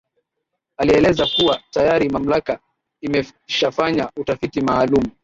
Alieleza kuwa tayari mamlaka imeshafanya utafiti maalumu